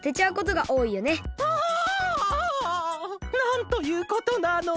なんということなの！